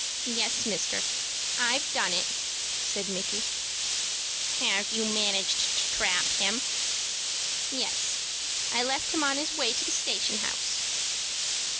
"Yes, mister, I've done it," said Micky. "Have you managed to trap him?" "Yes, I left him on his way to the station house."